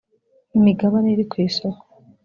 imigabane iri kwisoko .